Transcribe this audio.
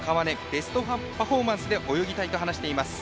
ベストパフォーマンスで泳ぎたいと話しています。